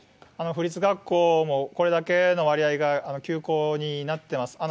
府立学校も、これだけの割合が休校になっています。